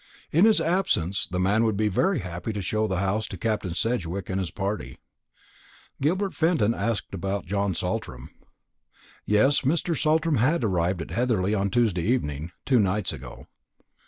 In his absence the man would be very happy to show the house to Captain Sedgewick and his party. Gilbert Fenton asked about John Saltram. Yes, Mr. Saltram had arrived at Heatherly on Tuesday evening, two nights ago.